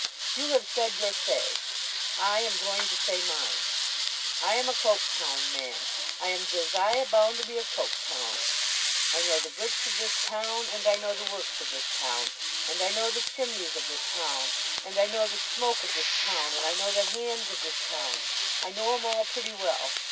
'You have said your say; I am going to say mine. I am a Coketown man. I am Josiah Bounderby of Coketown. I know the bricks of this town, and I know the works of this town, and I know the chimneys of this town, and I know the smoke of this town, and I know the Hands of this town. I know 'em all pretty well.